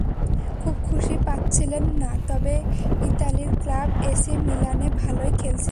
খুব বেশি পাচ্ছিলেন না, তবে ইতালির ক্লাব এসি মিলানে ভালোই খেলছিলেন।